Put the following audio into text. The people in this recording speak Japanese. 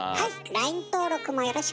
ＬＩＮＥ登録もよろしくね。